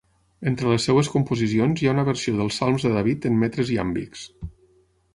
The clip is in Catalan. Entre les seves composicions hi ha una versió dels salms de David en metres iàmbics.